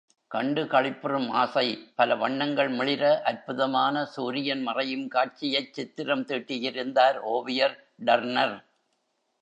கண்டு களிப்புறும் ஆசை பல வண்ணங்கள் மிளிர, அற்புதமான, சூரியன் மறையும் காட்சியைச் சித்திரம் தீட்டியிருந்தார் ஓவியர் டர்னர்.